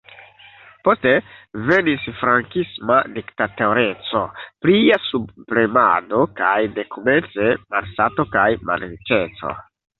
Poste venis frankisma diktatoreco, plia subpremado kaj dekomence malsato kaj malriĉeco.